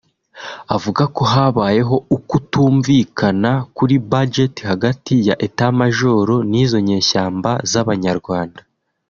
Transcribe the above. Avuga ko habayeho ukutumvikana kuri budjet hagati ya etat major nizo nyeshyamba z’abanyarwanda